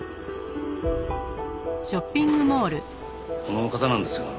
この方なんですが。